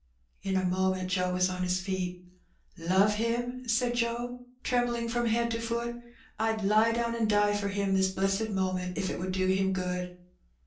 '* In a moment Joe was on his feet. " Love him !" said Joe, trembling from head to foot. "I'd lie down an' die for him this blessed moment if it would do him good."